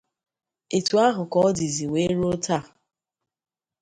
etu ahụ ka ọ dịzị wee ruo taa.